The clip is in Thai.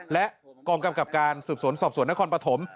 และกรกรรมกรรมการสุดสนสอบส่วนนครปฐม